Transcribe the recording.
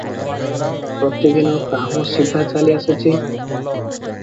ପ୍ରତିଦିନ କାହୁଁ ସିଦା ଚାଲି ଆସୁଛି ।